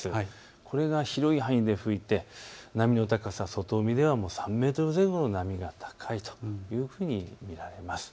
これが広い範囲で吹いて波の高さ外海では３メートル前後の波が高いというふうに見られます。